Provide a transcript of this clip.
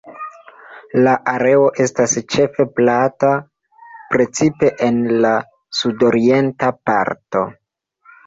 La areo estas ĉefe plata, precipe en la sudorienta parto.